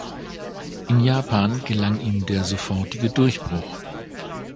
In Japan gelang ihm der sofortige Durchbruch.